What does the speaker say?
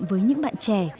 với những bạn trẻ